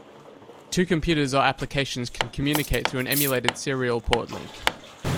Two computers or applications can communicate through an emulated serial port link.